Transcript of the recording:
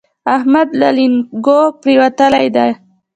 احمد له لېنګو پرېوتلی دی.